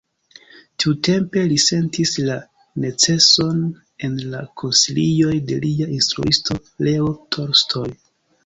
Tiutempe li sentis la neceson en la konsilioj de lia instruisto Leo Tolstoj.